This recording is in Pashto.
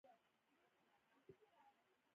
لس دقیقې نه وې پوره چې محصل راغی.